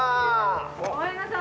ごめんなさい。